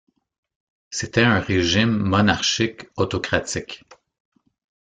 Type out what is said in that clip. C’était un régime monarchique autocratique.